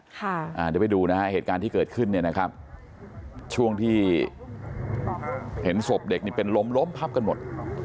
เดี๋ยวไปดูนะฮะเหตุการณ์ที่เกิดขึ้นช่วงที่เห็นศพเด็กเป็นลมพับกันหมด